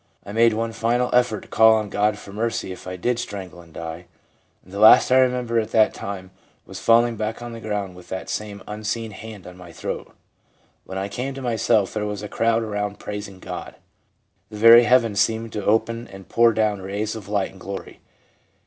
I made one final effort to call on God for mercy if I did strangle and die, and the last I remember at that time was fall ing back on the ground with that same unseen hand on my throat. When I came to myself there was a crowd around praising God. The very heavens seemed to open and pour down rays of light and glory.'